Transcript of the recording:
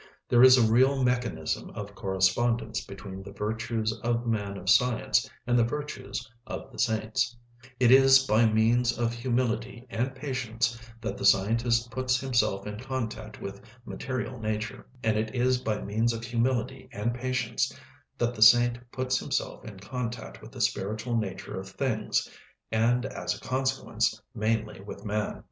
There is a real mechanism of correspondence between the virtues of the man of science and the virtues of the saints; it is by means of humility and patience that the scientist puts himself in contact with material nature; and it is by means of humility and patience that the saint puts himself in contact with the spiritual nature of things, and as a consequence, mainly with man.